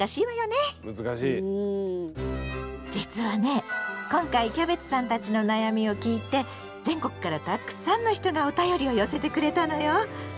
実はね今回キャベツさんたちの悩みを聞いて全国からたくさんの人がおたよりを寄せてくれたのよ。